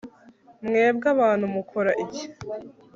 Mwebwe abantu mukora iki